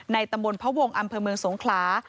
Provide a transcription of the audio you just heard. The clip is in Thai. ตำบลพระวงศ์อำเภอเมืองสงขลา